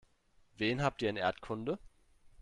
Wen habt ihr in Erdkunde?